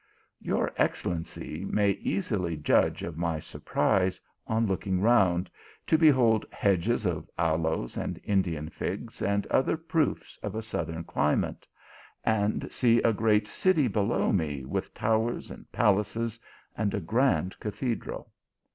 " Your excellency may easily judge of my surprise on looking round, to behold hedges of aloes and Indian figs, and other proofs of a southern climate, and see a great city below me with towers and palaces, and a grand cathedral.